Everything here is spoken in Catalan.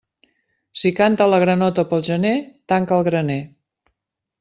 Si canta la granota pel gener, tanca el graner.